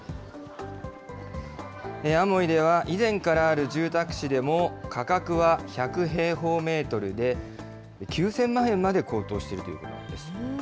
アモイでは、以前からある住宅地でも、価格は１００平方メートルで９０００万円まで高騰しているということなんです。